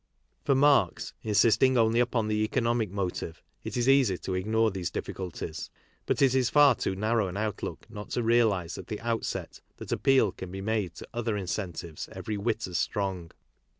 For Marx, insisting only upon the! economic motive, it is easy to ignore these difficulties, j but it is far too narrow an outlook not to realize at the' outset that appeal can be made to other incentives every! whit as strong.